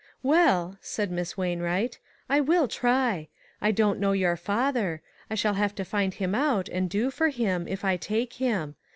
"Well," said Miss Wainwright, "I will try. I don't know your father. I shall have to find him out, and do for him, if I take him.